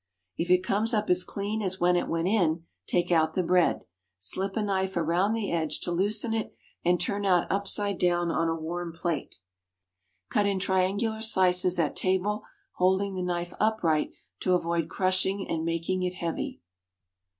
If it comes up as clean as when it went in, take out the bread. Slip a knife around the edge to loosen it, and turn out upside down on a warm plate. Cut in triangular slices at table, holding the knife upright to avoid crushing and making it heavy.